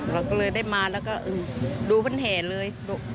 เราก็เลยได้มาแล้วก็ดูบนแห่เลย